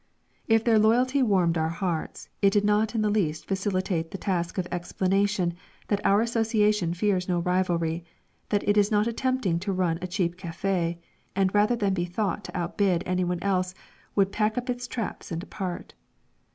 If their loyalty warmed our hearts, it did not in the least facilitate the task of explanation that our Association fears no rivalry, that it is not attempting to run a cheap café, and rather than be thought to outbid anyone else would pack up its traps and depart.